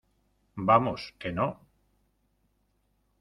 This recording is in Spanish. vamos, que no...